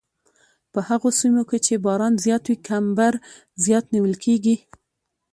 په هغو سیمو کې چې باران زیات وي کمبر زیات نیول کیږي